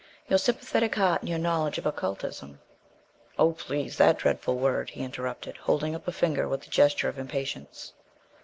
"Your sympathetic heart and your knowledge of occultism " "Oh, please that dreadful word!" he interrupted, holding up a finger with a gesture of impatience.